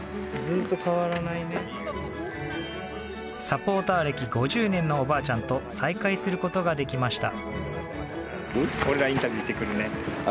サポーター歴５０年のおばあちゃんと再会することができました。